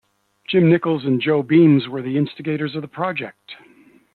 Jim Nicholls and Jo Beams were the instigators of the project.